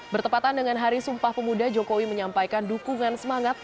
bertepatan dengan hari sumpah pemuda jokowi menyampaikan dukungan semangat